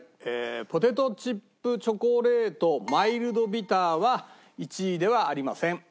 ポテトチップチョコレートマイルドビターは１位ではありません。